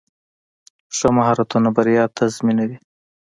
ښه مهارتونه بریا تضمینوي.